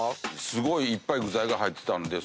すごいいっぱい具材が入ってたんで。